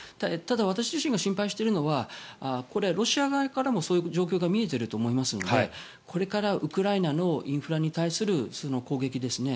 ただ、私自身が心配しているのはロシア側からもそういう状況が見えていると思いますのでこれからウクライナのインフラに対する攻撃